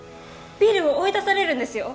ビルを追い出されるんですよ？